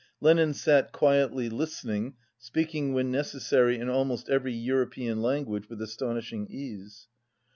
Lenin sat quietly listening, speaking when necessary in al most every European language with astonishing ease.